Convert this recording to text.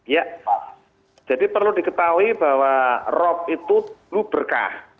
ya jadi perlu diketahui bahwa rob itu dulu berkah